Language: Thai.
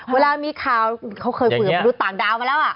เวลามีข่าวเขาเคยฝึกดูต่างดาวน์มาแล้วอ่ะ